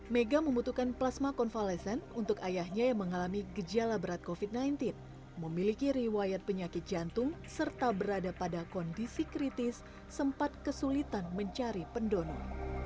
mega membutuhkan plasma konvalesen untuk ayahnya yang mengalami gejala berat covid sembilan belas memiliki riwayat penyakit jantung serta berada pada kondisi kritis sempat kesulitan mencari pendonor